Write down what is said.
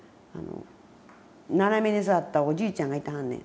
斜めに座ったおじいちゃんがいてはんねん。